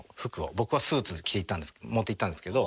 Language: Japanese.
僕はスーツ着て行った持って行ったんですけど。